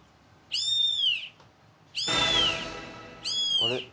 あれ？